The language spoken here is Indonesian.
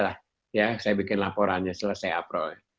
saya bikin laporannya selesai april